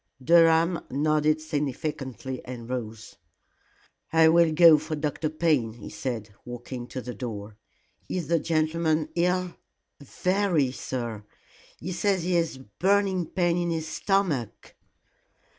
Durham nodded significantly and rose. "I will go for Dr. Payne," he said, walking to the door. "Is the gentleman ill?" "Very, sir. He says he has a burning pain in his stomach."